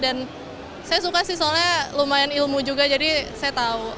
dan saya suka sih soalnya lumayan ilmu juga jadi saya tahu